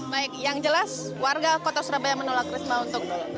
baik yang jelas warga kota surabaya menolak risma untuk berhubungan dengan ibu mega